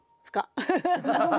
ハハハハッ。